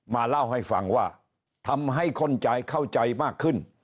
มาเล่าให้ฟังว่าทำให้คนใจเข้าใจมากขึ้น